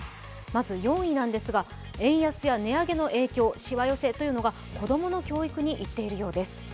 まず４位なんですが円安や値上げの影響、しわ寄せというのが子供の教育にいっているようです。